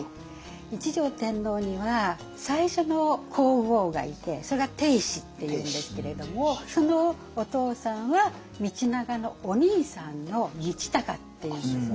一条天皇には最初の皇后がいてそれが定子っていうんですけれどもそのお父さんは道長のお兄さんの道隆っていうんですね。